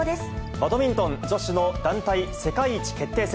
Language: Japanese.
バドミントン女子の団体世界一決定戦。